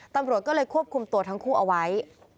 ตำรวจก็เลยควบคุมตัวทั้งคู่เอาไว้